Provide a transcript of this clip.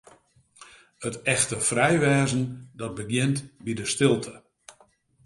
It echte frij wêzen, dat begjint by de stilte.